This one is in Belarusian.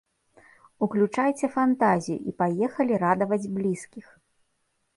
Уключайце фантазію і паехалі радаваць блізкіх!